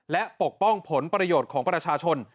และปกป้องผลประโยชน์ของประชาชน